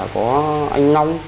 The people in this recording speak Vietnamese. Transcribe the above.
có anh nong